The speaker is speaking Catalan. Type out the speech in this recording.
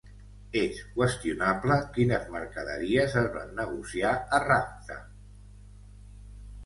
És qüestionable quines mercaderies es van negociar a Rhapta.